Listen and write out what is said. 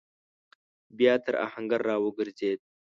بيا تر آهنګر راوګرځېد.